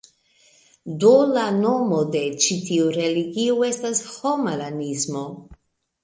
Do, la nomo de ĉi tiu religio estis Homaranismo.